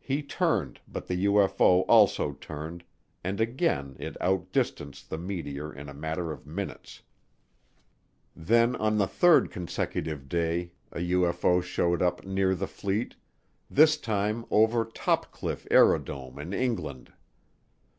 He turned but the UFO also turned, and again it outdistanced the Meteor in a matter of minutes. Then on the third consecutive day a UFO showed up near the fleet, this time over Topcliffe Aerodrome in England.